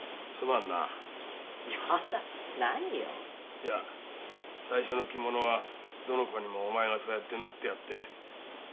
いや最初の着物はどの子にもお前がそうやって縫ってやって。